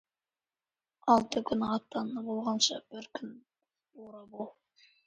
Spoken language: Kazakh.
Алты күн атан болғанша, бір күн бура бол.